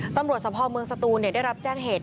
ตำรวจสภเมืองสตูนได้รับแจ้งเหตุ